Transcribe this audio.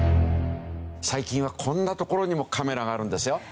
最近はこんな所にもカメラがあるんですよ。